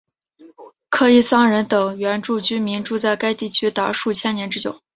科伊桑人等原住民居住在该地区达数千年之久。